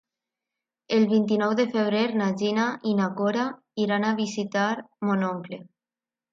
El vint-i-nou de febrer na Gina i na Cora iran a visitar mon oncle.